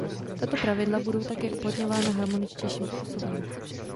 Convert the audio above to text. Tato pravidla budou také uplatňována harmoničtějším způsobem.